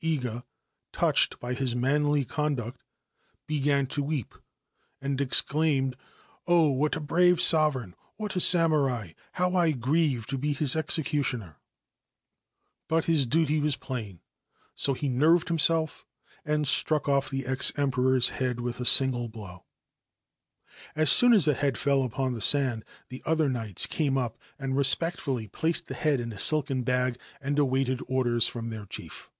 Iga, touched by his manly conduct, began to wee and exclaimed :* Oh, what a brave sovereign ! what a samurai ! He I grieve to be his executioner !' But his duty was plaii so he nerved himself and struck off the ex Emperor's he with a single blow. As soon as the head fell upon the sand the oth 152 Saigyo Hoshi's Rock ights came up and respectfully placed the head in a cen bag and awaited orders from their chief.